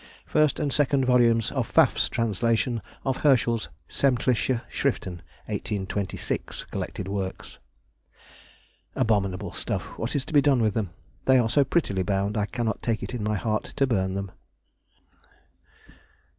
1st and 2nd Vols. of Pfaff's Translation of Herschel's Sämtliche Schriften, 1826 (collected works). Abominable stuff! What is to be done with them? They are so prettily bound, I cannot take it in my heart to burn them.